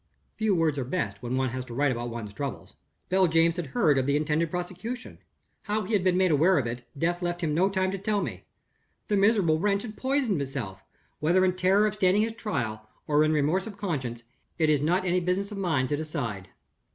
"Few words are best, when one has to write about one's own troubles. "Beljames had heard of the intended prosecution. How he had been made aware of it, death left him no time to tell me. The miserable wretch had poisoned himself whether in terror of standing his trial, or in remorse of conscience, it is not any business of mine to decide.